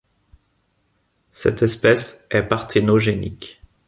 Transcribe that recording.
Cette espèce est parthénogenique.